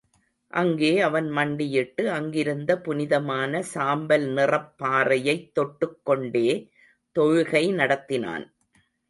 அங்கே அவன் மண்டியிட்டு, அங்கிருந்த புனிதமான சாம்பல் நிறப்பாறையைத் தொட்டுக் கொண்டே தொழுகை நடத்தினான்.